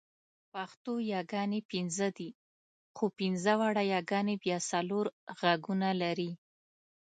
پښتو یاګانې پنځه دي، خو پنځه واړه یاګانې بیا څلور غږونه لري.